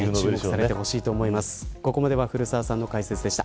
ここまでは古澤さんの解説でした。